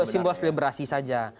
ini simbol selebrasi saja